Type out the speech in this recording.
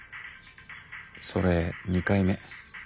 それ２回目。